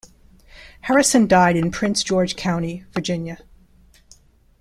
Harrison died in Prince George County, Virginia.